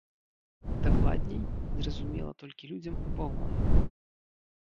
Дакладней, зразумела толькі людзям у пагонах.